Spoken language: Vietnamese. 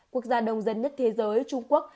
quốc gia đông dân nhất thế giới trung quốc